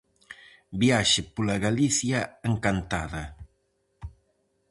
Viaxe pola Galicia encantada.